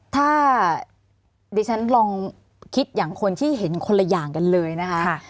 ถ้าดิฉันลองคิดอย่างคนที่เห็นคนละอย่างกันเลยนะคะ